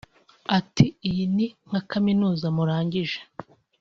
Ati “iyi ni nka Kaminuza murangije